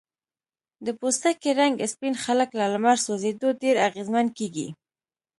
د پوستکي رنګ سپین خلک له لمر سوځېدو ډیر اغېزمن کېږي.